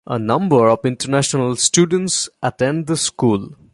A number of international students attend the school.